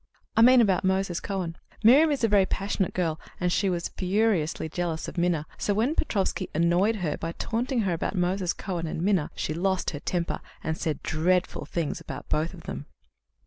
"I mean about Moses Cohen. Miriam is a very passionate girl, and she was furiously jealous of Minna, so when Petrofsky annoyed her by taunting her about Moses Cohen and Minna, she lost her temper, and said dreadful things about both of them."